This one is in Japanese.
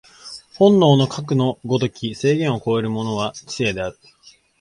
本能のかくの如き制限を超えるものは知性である。